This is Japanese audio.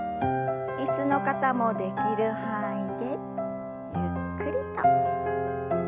椅子の方もできる範囲でゆっくりと。